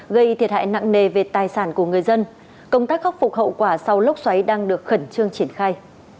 gây thiệt hại nặng nề về tài sản của người dân công tác khắc phục hậu quả sau lốc xoáy đang được khẩn trương triển khai